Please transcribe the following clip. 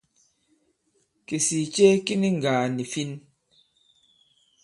Kìsìì ce ki ni ŋgàà nì fin.